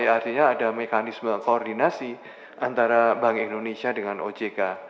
artinya ada mekanisme koordinasi antara bank indonesia dengan ojk